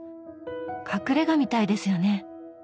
隠れ家みたいですよね。